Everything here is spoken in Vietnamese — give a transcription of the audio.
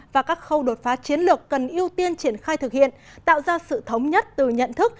và các khâu đột phá chiến lược cần ưu tiên triển khai thực hiện tạo ra sự thống nhất từ nhận thức